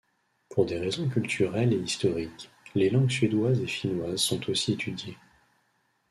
Pour des raisons culturelles et historiques, les langues suédoise et finnoise sont aussi étudiées.